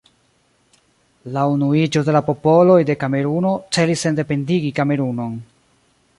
La Unuiĝo de la Popoloj de Kameruno celis sendependigi Kamerunon.